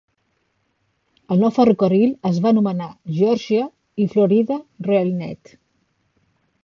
El nou ferrocarril es va anomenar Georgia i Florida RailNet.